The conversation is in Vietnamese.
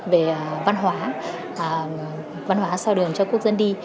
về văn hóa văn hóa sao đường cho quốc dân đi